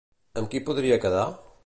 Amb qui podria quedar?